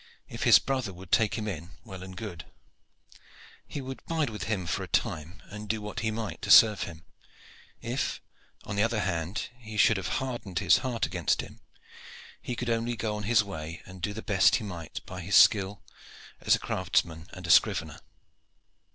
If his brother would take him in, well and good. He would bide with him for a time and do what he might to serve him. If, on the other hand, he should have hardened his heart against him, he could only go on his way and do the best he might by his skill as a craftsman and a scrivener.